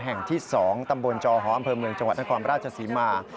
แห่งที่๒ตำบลจอหออำเภอเมืองจังหวัดนครราชศรีมา